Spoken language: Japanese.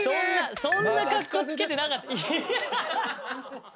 そんなかっこつけてなかった。